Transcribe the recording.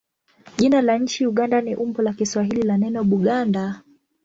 Jina la nchi Uganda ni umbo la Kiswahili la neno Buganda.